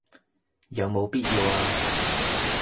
有冇必要啊